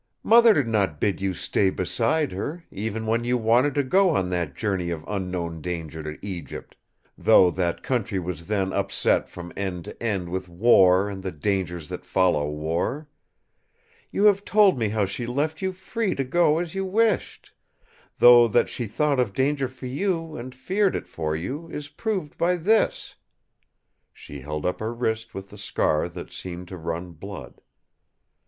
mother did not bid you stay beside her, even when you wanted to go on that journey of unknown danger to Egypt; though that country was then upset from end to end with war and the dangers that follow war. You have told me how she left you free to go as you wished; though that she thought of danger for you and feared it for you, is proved by this!" She held up her wrist with the scar that seemed to run blood.